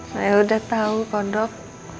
saya udah tau kodok